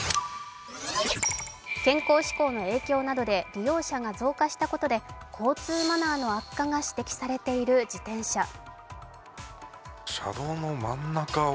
健康志向の影響などで利用者が増加したことで交通マナーの悪化が指摘されている自転車。